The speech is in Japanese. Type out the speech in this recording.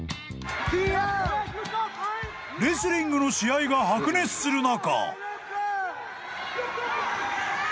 ［レスリングの試合が白熱する中］